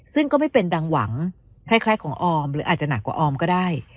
ซึ่งก็ไม่เป็นดังหวังคล้ายของออมหรืออาจจะหนักกว่าออมก็ได้